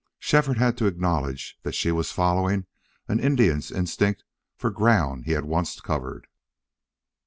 Shefford had to acknowledge that she was following an Indian's instinct for ground he had once covered.